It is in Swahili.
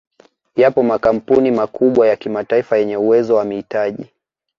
Yapo makampuni makubwa ya kimataifa yenye uwezo wa mitaji